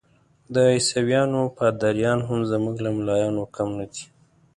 د عیسویانو پادریان هم زموږ له ملایانو کم نه دي.